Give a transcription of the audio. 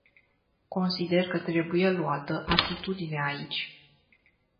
Consider că trebuie luată atitudine aici.